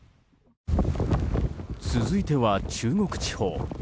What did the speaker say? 続いては中国地方。